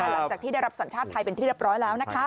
หลังจากที่ได้รับสัญชาติไทยเป็นที่เรียบร้อยแล้วนะคะ